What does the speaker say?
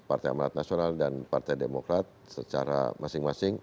partai amarat nasional dan partai demokrat secara masing masing